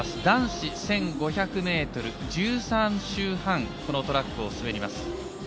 男子１５００ｍ１３周半このトラックを滑ります。